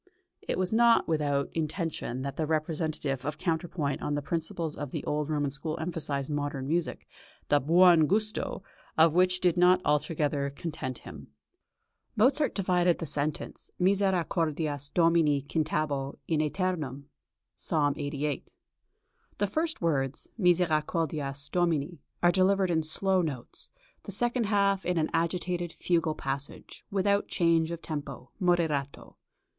It was not without intention that the representative of counterpoint on the principles of the old Roman school emphasised modern music, the "buon gusto" of which did not altogether content him. Mozart divided the sentence "Misericordias Domini cantabo in æternum" (Psalm lxxxviii.). The first words, {MISERICORDIAS, 1775.} (279) "Misericordias Domini," are delivered in slow notes, the second half in an agitated fugal passage, without change of tempo (moderato).